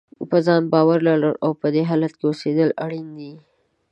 په ځان باور لرل او په دې حالت کې اوسېدل اړین دي.